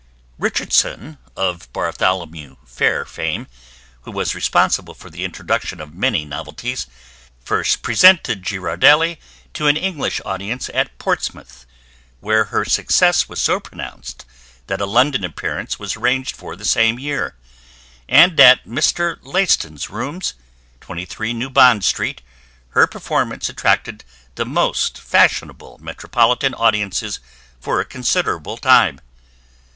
Richardson, of Bartholomew Fair fame, who was responsible for the introduction of many novelties, first presented Girardelli to an English audience at Portsmouth, where her success was so pronounced that a London appearance was arranged for the same year; and at Mr. Laston's rooms, 23 New Bond Street, her performance attracted the most fashionable metropolitan audiences for a considerable time.